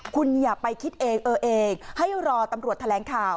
คุณอย่าไปคิดเองเออเองให้รอตำรวจแถลงข่าว